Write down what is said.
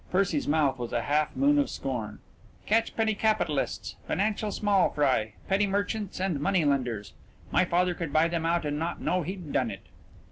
Percy's mouth was a half moon of scorn. "Catch penny capitalists, financial small fry, petty merchants and money lenders. My father could buy them out and not know he'd done it."